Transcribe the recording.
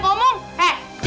aku mau jalan sendiri